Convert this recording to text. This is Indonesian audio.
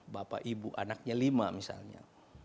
bapak ibu anaknya lima misalnya